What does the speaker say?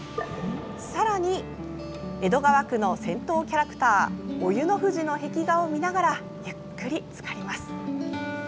さらに、江戸川区の銭湯キャラクターお湯の富士の壁画を見ながらゆっくりつかります。